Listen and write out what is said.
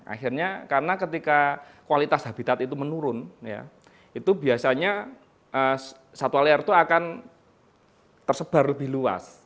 akhirnya karena ketika kualitas habitat itu menurun ya itu biasanya satwa liar itu akan tersebar lebih luas